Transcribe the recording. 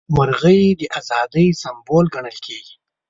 مرغۍ د ازادۍ سمبول ګڼل کیږي.